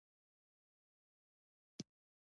په دې وخت کې دفاعي حالت غوره کړ